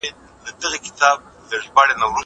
بوټونه پاک کړه!!